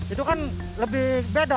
itu kan lebih